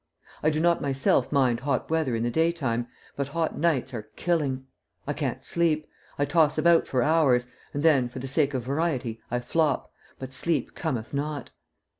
I do not myself mind hot weather in the daytime, but hot nights are killing. I can't sleep. I toss about for hours, and then, for the sake of variety, I flop, but sleep cometh not.